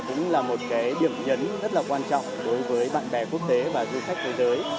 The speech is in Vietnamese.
được cái điểm nhấn rất là quan trọng đối với bạn bè quốc tế và du khách thế giới